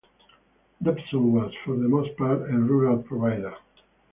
Dobson was, for the most part, a rural provider.